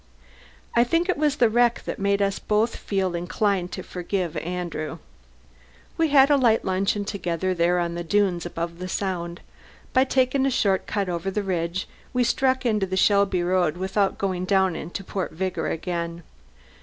I think it was the wreck that made us both feel inclined to forgive Andrew. We had a light luncheon together there on the dunes above the Sound. By taking a short cut over the ridge we struck into the Shelby road without going down into Port Vigor again.